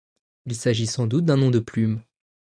Il s'agit sans doute d'un nom de plume.